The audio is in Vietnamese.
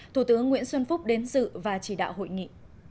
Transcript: thủ tướng nguyễn xuân phúc đến dự và chỉ đạo hội nghị